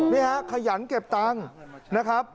นี่ฮะขยันเก็บตังค์นะครับ